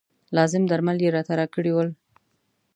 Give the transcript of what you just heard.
لازم درمل یې راته راکړي ول.